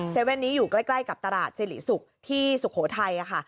เว่นนี้อยู่ใกล้กับตลาดสิริศุกร์ที่สุโขทัยค่ะ